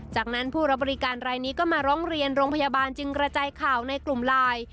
จากนั้นผู้รับบริการรายนี้ก็มาร้องเรียนโรงพยาบาลจึงกระจายข่าวในกลุ่มไลน์